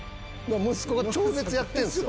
息子が超絶やってんすよ。